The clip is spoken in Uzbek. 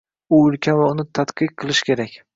U ulkan va uni tadqiq qilish kerak.